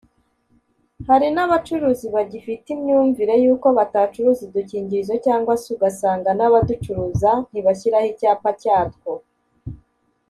Hari n’abacuruzi bagifite imyumvire y’uko batacuruza udukingirizo cyangwa se ugasanga n’abaducuruza ntibashyiraho icyapa cyatwo